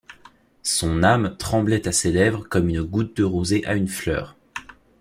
Son âme tremblait à ses lèvres comme une goutte de rosée à une fleur.